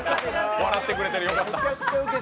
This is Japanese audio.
笑ってくれてる、よかった。